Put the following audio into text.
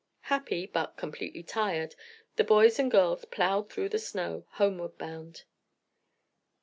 Happy, but completely tired, the boys and girls plowed through the snow, homeward bound.